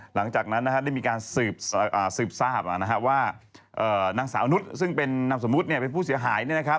หลังจากนั้นได้มีการสืบทราบว่านางสาวนุษย์ซึ่งเป็นนามสมมุติเป็นผู้เสียหาย